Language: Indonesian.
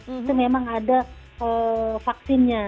itu memang ada vaksinnya